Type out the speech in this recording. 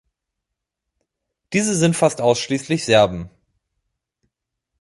Diese sind fast ausschließlich Serben.